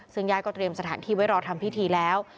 ซึ่งญาติก็เตรียมสถานที่ไว้รอทำพิธีแล้ว